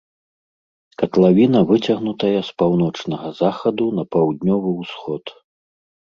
Катлавіна выцягнутая з паўночнага захаду на паўднёвы ўсход.